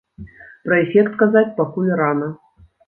Пра эфект казаць пакуль рана.